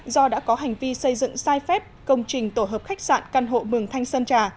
do đã có hành vi xây dựng sai phép công trình tổ hợp khách sạn căn hộ mường thanh sơn trà